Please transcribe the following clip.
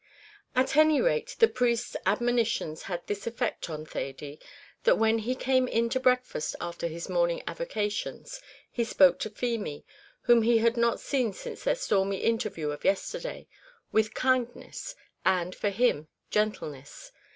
At any rate the priest's admonitions had this effect on Thady, that when he came in to breakfast after his morning avocations, he spoke to Feemy, whom he had not seen since their stormy interview of yesterday, with kindness, and, for him, gentleness.